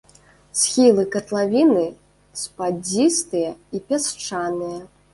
Схілы катлавіны спадзістыя і пясчаныя.